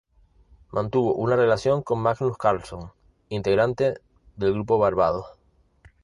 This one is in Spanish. Mantuvo una relación con Magnus Carlsson, integrante del grupo Barbados.